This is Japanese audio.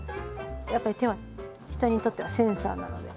やっぱり手は人にとってはセンサーなので。